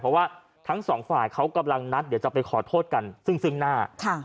เพราะว่าทั้งสองฝ่ายเขากำลังนัดเดี๋ยวจะไปขอโทษกันซึ่งหน้า